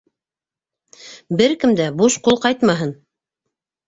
Бер кем дә бушҡул ҡайтмаһын.